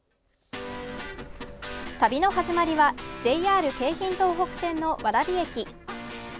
旅の始まりはＪＲ京浜東北線の蕨駅。